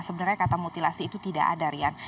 sebenarnya kata mutilasi itu tidak ada rian